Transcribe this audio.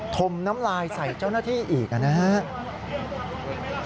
มน้ำลายใส่เจ้าหน้าที่อีกนะครับ